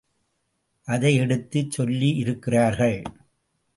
அதை எடுத்துச் சொல்லியிருக்கிறார்கள்.